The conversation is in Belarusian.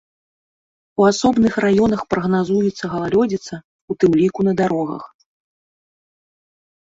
У асобных раёнах прагназуецца галалёдзіца, у тым ліку на дарогах.